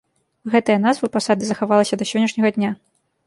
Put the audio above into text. Гэтая назва пасады захавалася да сённяшняга дня.